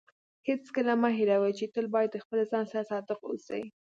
هیڅکله مه هېروئ چې تل باید د خپل ځان سره صادق اوسئ.